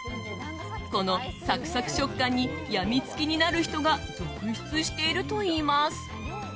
このサクサク食感に病みつきになる人が続出しているといいます。